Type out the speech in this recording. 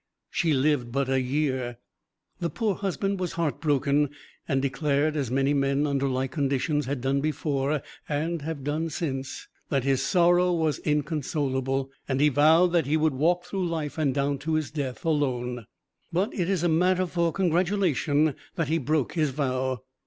She lived but a year. The poor husband was heartbroken, and declared, as many men under like conditions had done before and have done since, that his sorrow was inconsolable. And he vowed that he would walk through life and down to his death alone. But it is a matter for congratulation that he broke his vow.